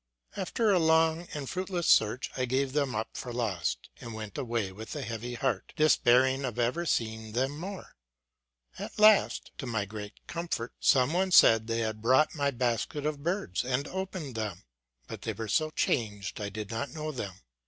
After a long and fruitless search, I gav^ them up for lost, and went away with a heavy heart, despairing of ever seeing them more. At last, to my great comfort, some one said they had brought my basket of birds, and opened them ; but they were so changed, I did not know them.